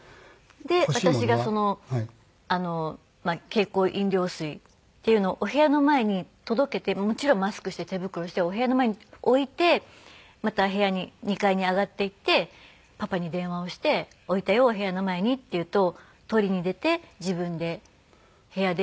で私が経口飲料水っていうのをお部屋の前に届けてもちろんマスクして手袋してお部屋の前に置いてまた部屋に２階に上がっていってパパに電話をして「置いたよお部屋の前に」って言うと取りに出て自分で部屋で飲んでるっていう。